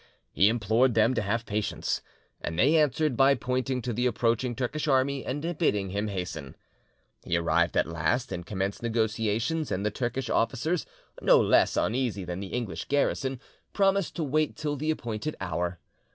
He implored them to have patience, and they answered by pointing to the approaching Turkish army and bidding him hasten. He arrived at last and commenced negotiations, and the Turkish officers, no less uneasy than the English garrison, promised to wait till the appointed hour.